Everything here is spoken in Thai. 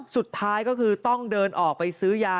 สุดท้ายก็คือต้องเดินออกไปซื้อยา